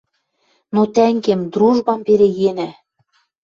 Но, тӓнгем, дружбам перегенӓ